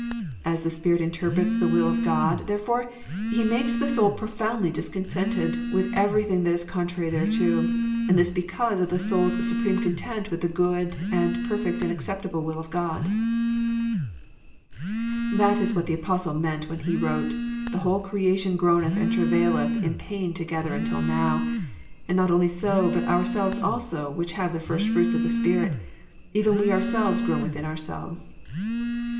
As the Spirit interprets the will of God, therefore. He makes the soul profoundly discontented with everything that is contrary thereto, and this because of the soul's supreme content with the good and perfect and acceptable will of God. That is what the apostle meant when he wrote, "The whole creation groaneth and travaileth in pain together until now. And not only so, but ourselves also, which have the first fruits of the Spirit, even we our selves groan within ourselves."